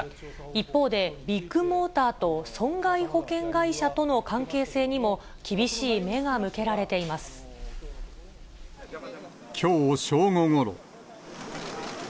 一方で、ビッグモーターと損害保険会社との関係性にも厳しい目が向けられきょう正午ごろ。